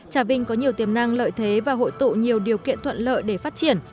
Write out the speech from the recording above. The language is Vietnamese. trà vinh có nhiều tiềm năng lợi thế và hội tụ nhiều điều kiện thuận lợi để phát triển